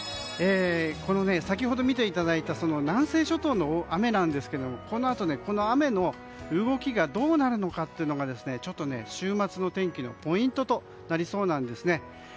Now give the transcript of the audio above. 先ほど見ていただいた南西諸島の雨なんですけどもこのあと、この雨の動きがどうなるのかというのがちょっと週末の天気のポイントとなりそうなんです。